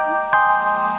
mereka sudah selesai